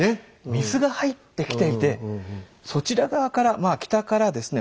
水が入ってきていてそちら側から北からですね